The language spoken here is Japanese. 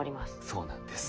そうなんです。